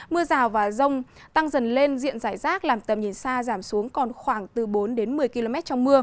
mưa rào và rông tăng dần lên diện giải rác làm tầm nhìn xa giảm xuống còn khoảng từ bốn đến một mươi km trong mưa